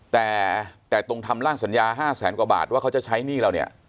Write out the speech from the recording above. แต่ตรงทำร่างสัญญา๕แสนกว่าบาทว่าเขาจะใช้หนี้เราเนี่ย